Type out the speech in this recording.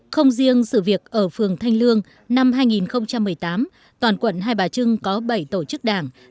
không riêng sự việc ở phường thanh lương năm hai nghìn một mươi tám toàn quận hai bà trưng có bảy tổ chức đảng